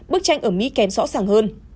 bức tranh ở mỹ kém rõ ràng hơn